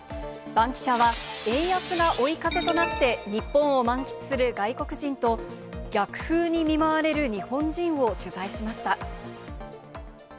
バンキシャは、円安が追い風となって、日本を満喫する外国人と、逆風に見舞われる日本人を取材しました。